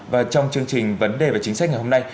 và trong chương trình vấn đề và chính sách ngày hôm nay